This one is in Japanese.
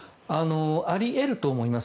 あり得ると思います。